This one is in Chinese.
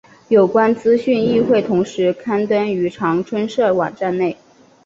有关资讯亦会同时刊登于长春社网站内。